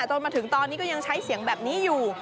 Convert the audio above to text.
จนมาถึงตอนนี้ก็ยังใช้เสียงแบบนี้อยู่